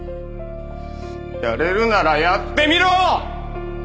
やれるならやってみろ！